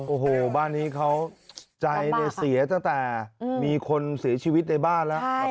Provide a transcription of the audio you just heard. โอ้โหบ้านนี้เขาใจเสียตั้งแต่มีคนเสียชีวิตในบ้านแล้ว